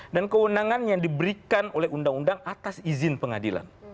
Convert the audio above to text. dan kewenangan yang diberikan oleh undang undang atas izin pengadilan